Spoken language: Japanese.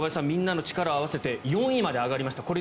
みんなの力を合わせて４位まで上がりました。